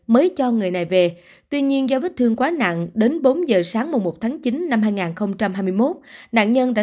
mới cho người này về tuy nhiên do vết thương quá nặng đến bốn giờ sáng một tháng chín năm hai nghìn hai mươi một nạn nhân đã